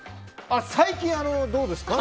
最近どうですか？